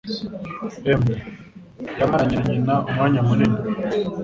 Emwe, yamaranye na nyina umwanya munini.